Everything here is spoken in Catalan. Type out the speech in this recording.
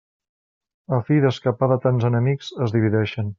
A fi d'escapar de tants enemics, es divideixen.